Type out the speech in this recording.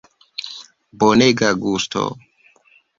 Bonega gusto!